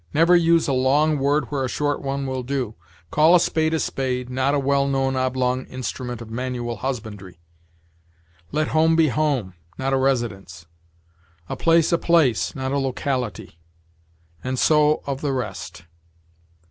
Never use a long word where a short one will do. Call a spade a spade, not a well known oblong instrument of manual husbandry; let home be home, not a residence; a place a place, not a locality; and so of the rest.